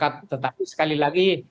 tetapi sekali lagi